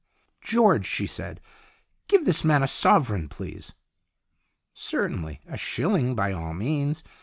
" George," she said, " give this man a sovereign, please." " Certainly, a shilling by all means.